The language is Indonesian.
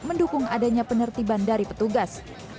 mendukung adanya penertiban dari petugas